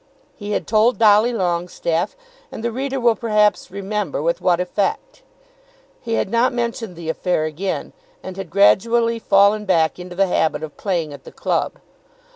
He had told Dolly Longestaffe, and the reader will perhaps remember with what effect. He had not mentioned the affair again, and had gradually fallen back into the habit of playing at the club.